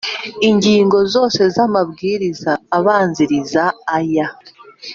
Ingingo zose z amabwiriza abanziriza aya